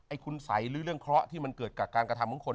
คุณสัยหรือเรื่องเคราะห์ที่มันเกิดจากการกระทำของคน